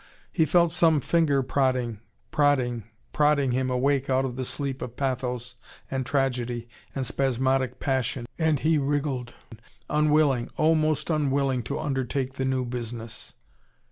He felt some finger prodding, prodding, prodding him awake out of the sleep of pathos and tragedy and spasmodic passion, and he wriggled, unwilling, oh, most unwilling to undertake the new business.